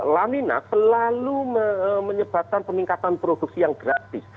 lamina selalu menyebabkan peningkatan produksi yang gratis